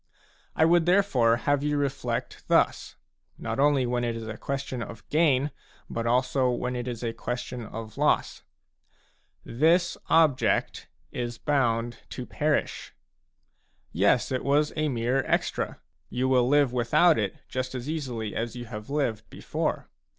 I would therefore have you reflect thus, not only when it is a question of gain, but also when it is a question of loss. "This object is bound to perish. ,, Yes, it was a mere extra ; you will live without it just as easily as you have lived before.